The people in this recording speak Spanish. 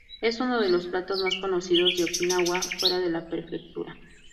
Es uno de los platos más conocidos de Okinawa fuera de la prefectura.